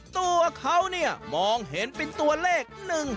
ตัวเขาเนี่ยมองเห็นเป็นตัวเลข๑๕